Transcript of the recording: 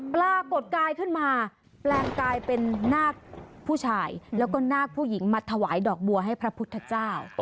ปรากฏกายขึ้นมาแปลงกายเป็นนาคผู้ชายแล้วก็นาคผู้หญิงมาถวายดอกบัวให้พระพุทธเจ้า